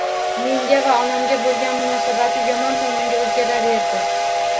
Menga va onamga bo`lgan munosabati yomon tomonga o`zgaraverdi